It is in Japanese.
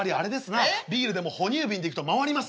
ビールでも哺乳瓶でいくと回りますな。